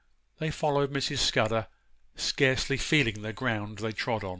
They followed Mrs. Scudder, scarcely feeling the ground they trod on.